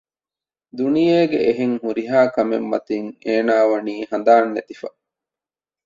ދުނިޔޭގެ އެހެން ހުރިހާކަމެއް މަތިން އޭނާ ވަނީ ހަނދާން ނެތިފަ